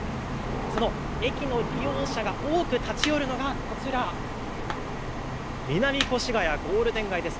その駅の利用者が多く立ち寄るのがこちら、南越谷ゴールデン街です。